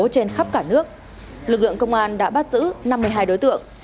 cả nước lực lượng công an đã bắt giữ năm mươi hai đối tượng